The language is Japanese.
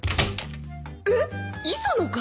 えっ？磯野か！？